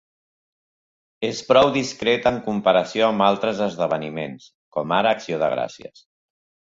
És prou discret en comparació amb altres esdeveniments, com ara Acció de Gràcies.